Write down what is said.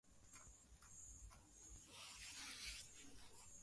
Alikiandika mwaka elfu moja mia nane tisini na nne